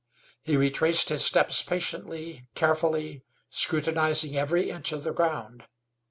He retraced his steps patiently, carefully, scrutinizing every inch of the ground.